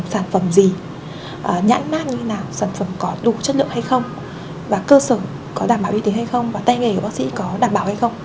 sản phẩm gì nhãn mát như thế nào sản phẩm có đủ chất lượng hay không và cơ sở có đảm bảo y tế hay không và tay nghề của bác sĩ có đảm bảo hay không